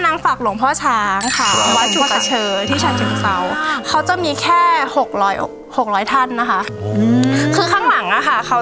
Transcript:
ได้มาจากวัดไหนอะไรยังไง